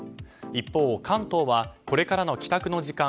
一方、関東はこれからの帰宅の時間